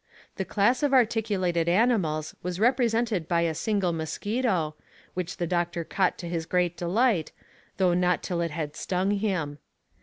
The class of articulated animals was represented by a single mosquito, which the doctor caught to his great delight, though not till it had stung him.